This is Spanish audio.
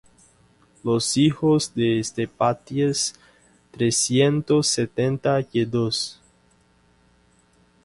Los hijos de Sephatías, trescientos setenta y dos;